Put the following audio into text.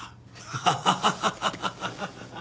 ハハハハ！